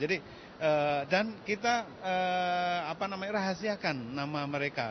dan kita rahasiakan nama mereka